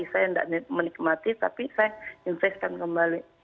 saya tidak menikmati tapi saya investkan kembali